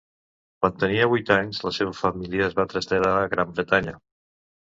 Quan tenia vuit anys la seva família es va traslladar a Gran Bretanya.